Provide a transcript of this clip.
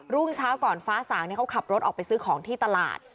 รุ่งเช้าก่อนฟ้าสางเขาขับรถออกไปซื้อของที่ตลาด